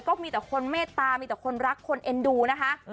ก็มีแต่คนเมตตามีแต่คนรักคนเอ็นดูนะคะ